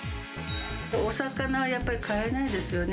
お魚はやっぱり買えないですよね。